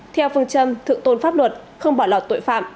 theo phương châm thượng tôn pháp luật không bỏ lọt tội phạm